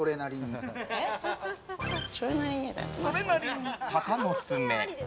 それなりに鷹の爪。